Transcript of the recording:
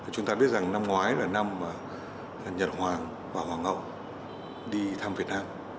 chúng ta biết rằng năm ngoái là năm nhật hoàng và hoàng hậu đi thăm việt nam